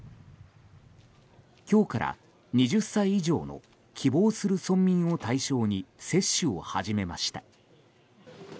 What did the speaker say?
今日から、２０歳以上の希望する村民を対象に接種を始めました。